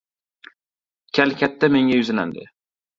Kal katta menga yuzlandi.